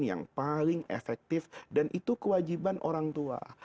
yang paling efektif dan itu kewajiban orang tua